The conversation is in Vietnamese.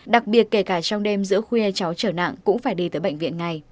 đặc biệt kể cả trong đêm giữa khuya cháu trở nặng cũng phải đi tới bệnh viện ngay